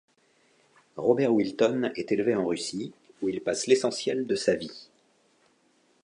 Robert Wilton est élevé en Russie, où il passe l'essentiel de sa vie.